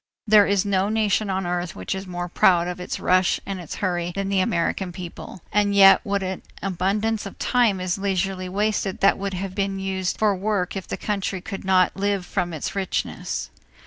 There is no nation on earth which is more proud of its rush and its hurry than the American people; and yet what an abundance of time is leisurely wasted that would have to be used for work if the country could not live from its richness.